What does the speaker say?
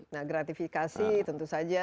nah gratifikasi tentu saja